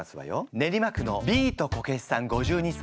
練馬区のビートコケシさん５２歳。